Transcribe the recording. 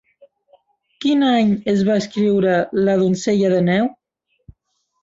Quin any es va escriure La donzella de neu?